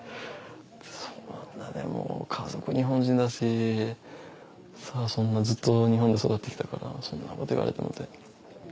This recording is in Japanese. そんなでも家族日本人だしそんなずっと日本で育ってきたからそんなこと言われてもって。